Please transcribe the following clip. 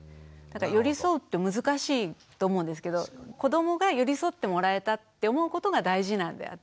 だから寄り添うって難しいと思うんですけど子どもが寄り添ってもらえたって思うことが大事なんであって。